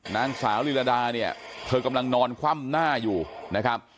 นางสาวลีลาดาเนี่ยเธอกำลังนอนคว่ำหน้าอยู่นะครับ